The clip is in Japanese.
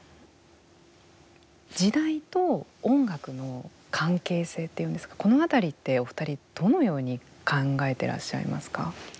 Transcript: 時代と音楽の関係性っていうんですかこのあたりって、お二人どのように考えてらっしゃいますか。